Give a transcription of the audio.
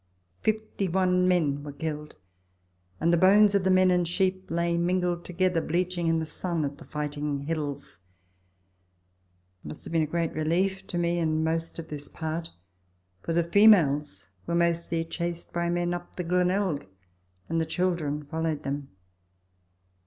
Fifty one men were killed, and the bones of the men and sheep lay mingled together bleaching iu the sun at the Fighting Hill?. It must have been a great relief to me and most of this part, for the females were mostly chased by men up the Glenelg, and the chil dren followed them.